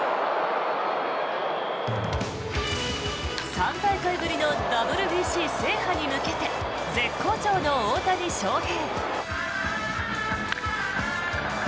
３大会ぶりのＷＢＣ制覇に向けて絶好調の大谷翔平。